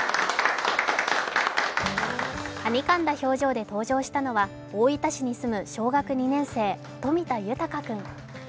はにかんだ表情で登場したのは大分市に住む小学２年生、冨田豊君。